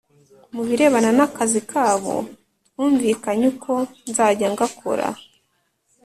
Mu birebana n’akazi kabo twumvikanye uko nzajya ngakora